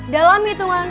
dalam hitungan sepuluh